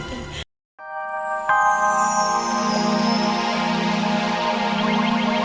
tidak ada yang bisa disampaikan